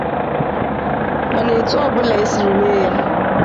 mana etu ọbụla e siri mee ya